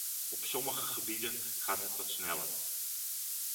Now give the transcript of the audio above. Op sommige gebieden gaat het wat sneller.